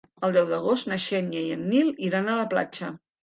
El deu d'agost na Xènia i en Nil iran a la platja.